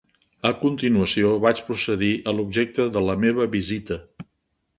A continuació, vaig procedir a l'objecte de la meva visita.